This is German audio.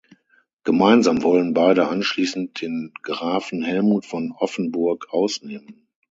Gemeinsam wollen beide anschließend den Grafen Helmut von Offenburg ausnehmen.